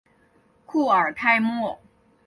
库尔泰莫。